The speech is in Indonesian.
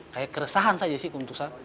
kayak keresahan saja sih